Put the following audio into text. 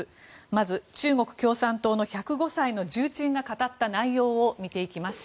まず、中国共産党の１０５歳の重鎮が語った内容を見ていきます。